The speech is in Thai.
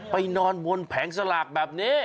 นอนบนแผงสลากแบบนี้